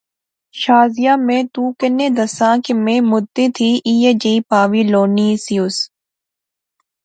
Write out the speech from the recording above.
شازیہ میں تو کنے دساں کہ میں مدتیں تھی ایہھے جئی پہاوی لوڑنی سیوس